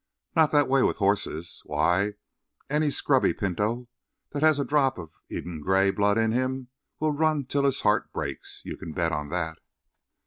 Not that way with horses. Why, any scrubby pinto that has a drop of Eden Gray blood in him will run till his heart breaks. You can bet on that."